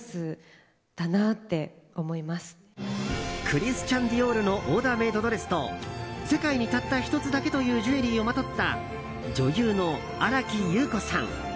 クリスチャンディオールのオーダーメイドドレスと世界にたった１つだけというジュエリーをまとった女優の新木優子さん。